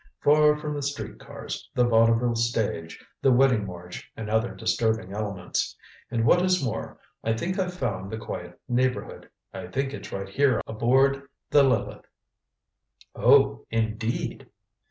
Far from the street cars, the vaudeville stage, the wedding march and other disturbing elements. And what is more, I think I've found the quiet neighborhood. I think it's right here aboard the Lileth." "Oh indeed!"